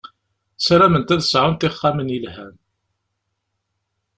Sarament ad sɛunt ixxamen yelhan.